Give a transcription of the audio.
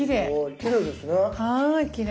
きれいですね。